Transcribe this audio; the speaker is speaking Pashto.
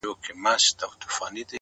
تا پاکه كړې ده!! له هر رنگه غبار کوڅه!!